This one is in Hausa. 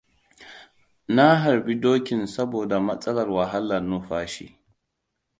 Na harbe dokin saboda matsalar wahala numfashi.